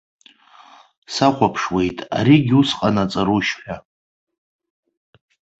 Сахәаԥшуеит, аригьы ус ҟанаҵарушь ҳәа.